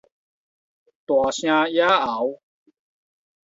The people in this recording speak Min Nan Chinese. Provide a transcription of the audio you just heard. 大聲野喉